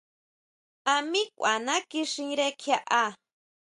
A mí kʼuaná kixire kjiaʼá.